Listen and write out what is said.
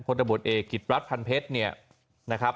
คนตำรวจเอกิตรัสพันเพชรเนี่ยนะครับ